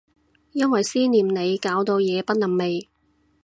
因為思念你搞到夜不能寐